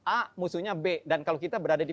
a musuhnya b dan kalau kita berada di